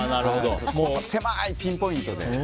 狭いピンポイントで。